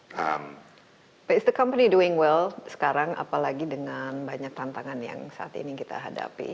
pace the company doing well sekarang apalagi dengan banyak tantangan yang saat ini kita hadapi